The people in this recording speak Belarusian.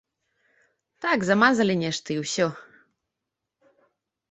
Так, замазалі нешта, і ўсё.